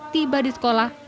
tiba di sekolah